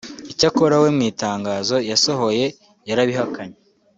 Icyakora we mu itangazo yasohoye yarabihakanye